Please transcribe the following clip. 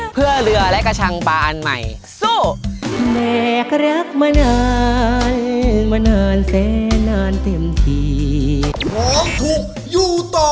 เพื่อเรือและกระชังบาอันใหม่สู้